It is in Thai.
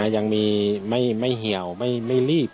ยังมีไม่เหี่ยวไม่รีบ